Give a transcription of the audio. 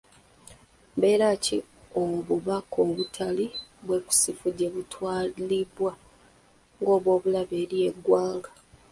Mbeeraki obubaka obutali bwekusifu gye butwalibwa ng'obwobulabe eri eggwanga.